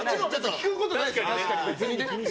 聞くことないですから。